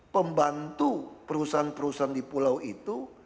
pembantu perusahaan perusahaan di pulau itu